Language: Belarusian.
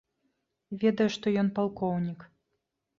Ведаю, што ён палкоўнік.